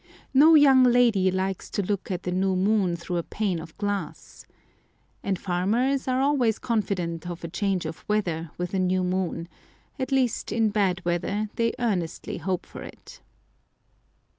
No young lady likes to look at the new moon through a pane of glass. And farmers are always confident of a change of weather with a new moon: at least in bad weather they earnestly hope for it.